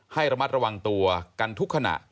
ให้ระมัดระวังตัวกันทุกขณะ